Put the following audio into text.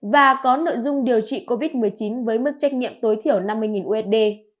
và có nội dung điều trị covid một mươi chín với mức trách nhiệm tối thiểu năm mươi usd